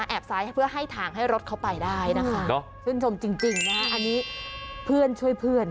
ซ้ายเพื่อให้ทางให้รถเขาไปได้นะคะชื่นชมจริงนะฮะอันนี้เพื่อนช่วยเพื่อน